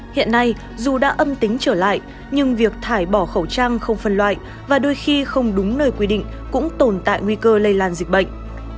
hiện nay dù đã âm tính trở lại nhưng việc thải bỏ khẩu trang không phân loại và đôi khi không đúng nơi quy định cũng tồn tại nguy cơ lây lan dịch bệnh